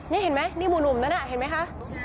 นี่เห็นไหมนี่หมู่หนุ่มนั้นเห็นไหมคะ